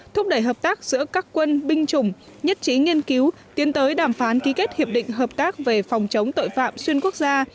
thúc đẩy hợp tác giữa các quân binh chủng nhất trí nghiên cứu tiến tới đàm phán ký kết hiệp định hợp tác về phòng chống tội phạm xuyên quốc gia